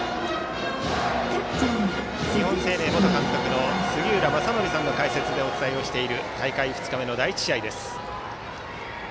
日本生命元監督の杉浦正則さんの解説でお伝えをしている大会２日目の第１試合です。